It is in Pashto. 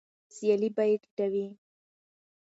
سیالي بیې ټیټوي.